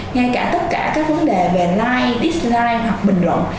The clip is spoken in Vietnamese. ngay cả tất cả các vấn đề về like dislike hoặc bình luận